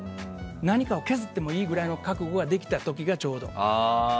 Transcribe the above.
何かを削ってもいいぐらいの覚悟ができた時が、ちょうど。